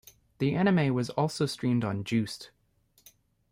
The anime was also streamed on Joost.